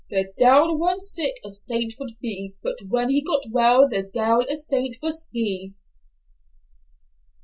"'The de'il when sick, a saint would be, But when he got well, the de'il a saint was he.